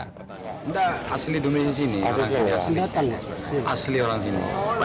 tidak asli dunia sini asli orang sini